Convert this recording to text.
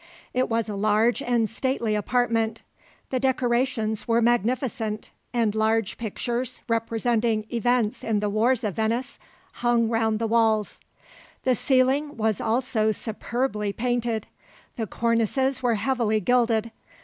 It was a large and stately apartment. The decorations were magnificent, and large pictures, representing events in the wars of Venice, hung round the walls. The ceiling was also superbly painted. The cornices were heavily gilded.